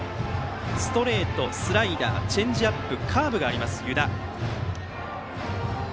ストレート、スライダーチェンジアップ、カーブがある湯田。